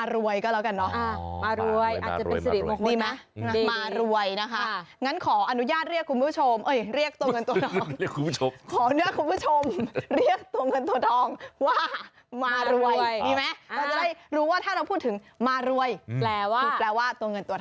รู้ว่าถ้าเราพูดถึงมารวยคือแปลว่าตัวเงินตัวถ่อ